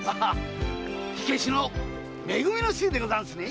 火消しの「め組」の衆でござんすね。